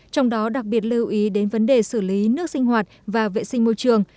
trong đó đặc biệt lưu ý đến vấn đề xử lý nước sinh hoạt và vệ sinh môi trường